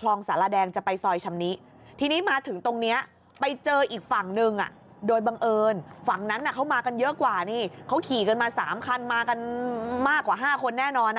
คลองสารแดงจะไปซอยชำนิทีนี้มาถึงตรงนี้ไปเจออีกฝั่งหนึ่งโดยบังเอิญฝั่งนั้นเขามากันเยอะกว่านี่เขาขี่กันมา๓คันมากันมากกว่า๕คนแน่นอน